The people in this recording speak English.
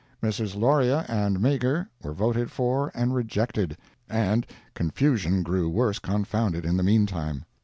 Messrs. Loryea and Meagher were voted for and rejected, and confusion grew worse confounded in the meantime.